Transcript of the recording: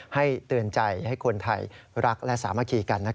เตือนใจให้คนไทยรักและสามัคคีกัน